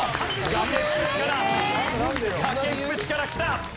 崖っぷちから崖っぷちからきた！